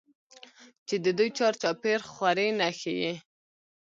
چې د دوى چار چاپېر خورې نښي ئې